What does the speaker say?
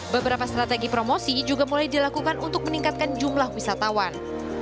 beberapa strategi promosi juga mulai dilakukan untuk meningkatkan jumlah wisatawan